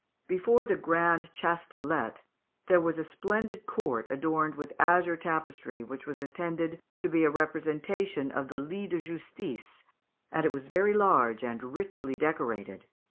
Before the Grand Chastelet there was a splendid court adorned with azure tapestry, which was intended to be a representation of the lit de justice, and it was very large and richly decorated.